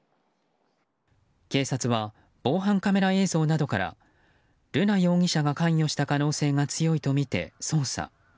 警察は防犯カメラ映像などから瑠奈容疑者が関与した可能性が強いとみて捜査。